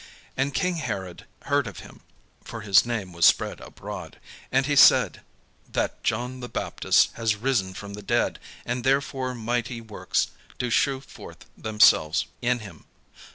And king Herod heard of him; (for his name was spread abroad;) and he said: "That John the Baptist was risen from the dead, and therefore mighty works do shew forth themselves in him."